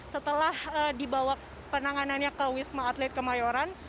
setelah dibawa penanganannya ke wisma atlet kemayoran